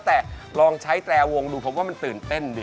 แต่ลองใช้แตรวงดูผมว่ามันตื่นเต้นดี